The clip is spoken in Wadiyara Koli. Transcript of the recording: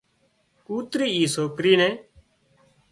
ڪوتري اِي سوڪري نين